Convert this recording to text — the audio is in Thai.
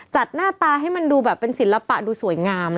หน้าตาให้มันดูแบบเป็นศิลปะดูสวยงาม